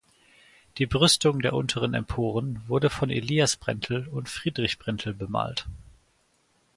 Die Brüstung der unteren Emporen wurden von Elias Brentel und Friedrich Brentel bemalt.